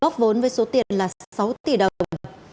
góp vốn với số tiền là sáu tỷ đồng